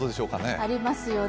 ありますよね。